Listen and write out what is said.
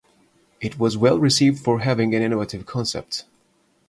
It was well received for having an innovative concept.